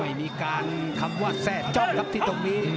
ไม่มีการคำว่าแทร่จ้องครับที่ตรงนี้